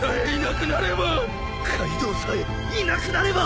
カイドウさえいなくなれば！